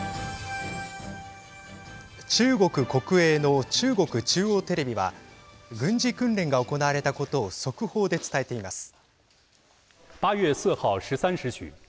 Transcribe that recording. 中国国営の中国中央テレビは軍事訓練が行われたことを速報で伝えています。